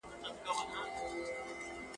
نور کارونه هم لرم درڅخه ولاړم.